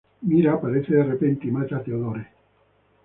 Myra aparece de repente y mata a Theodore.